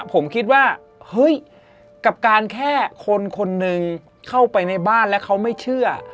ผมคิดว่าเฮ้ยกับการแค่คนคนหนึ่งเข้าไปในบ้านแล้วเขาไม่เชื่อ